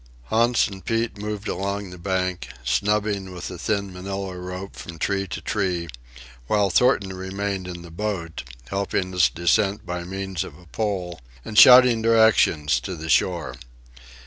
Hans and Pete moved along the bank, snubbing with a thin Manila rope from tree to tree, while Thornton remained in the boat, helping its descent by means of a pole, and shouting directions to the shore.